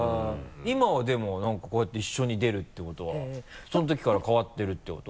今はでも何かこうやって一緒に出るってことはそのときから変わってるってこと？